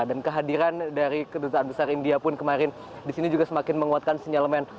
dan kehadiran dari kedutaan besar india pun kemarin di sini juga semakin menguatkan sinyalemen